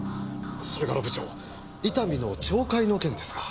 それから部長伊丹の懲戒の件ですが。